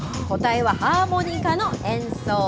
答えはハーモニカの演奏。